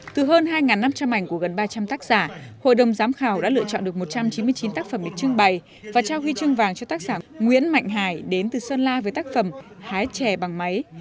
từ hơn hai năm trăm linh ảnh của gần ba trăm linh tác giả hội đồng giám khảo đã lựa chọn được một trăm chín mươi chín tác phẩm được trưng bày và trao huy chương vàng cho tác giả nguyễn mạnh hải đến từ sơn la với tác phẩm hái trẻ bằng máy